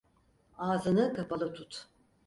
Ağzını kapalı tut.